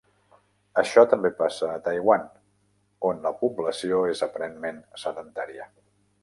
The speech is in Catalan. Això també passa a Taiwan, on la població és aparentment sedentària.